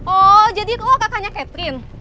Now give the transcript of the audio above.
oh jadi lo kakaknya catherine